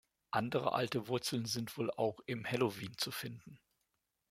Andere alte Wurzeln sind wohl auch im Halloween zu finden.